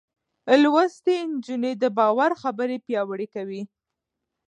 لوستې نجونې د باور خبرې پياوړې کوي.